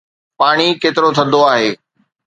پاڻي ڪيترو ٿڌو آهي؟